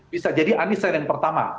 bisa jadi anissa yang pertama